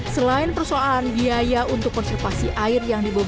selain persoalan biaya untuk konservasi air yang dibutuhkan